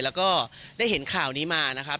แล้วก็ได้เห็นข่าวนี้มานะครับ